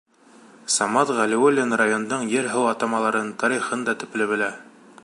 Самат Ғәлиуллин райондың ер-һыу атамаларын, тарихын да төплө белә.